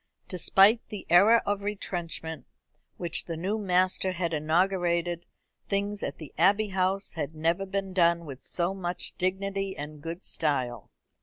Despite the era of retrenchment which the new master had inaugurated, things at the Abbey House had never been done with so much dignity and good style.